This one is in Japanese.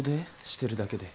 してるだけで。